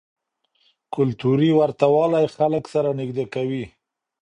کلتوري ورته والی خلک سره نږدې کوي.